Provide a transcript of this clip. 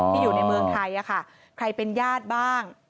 อยู่ในเมืองไทยใครเป็นญาติบ้าง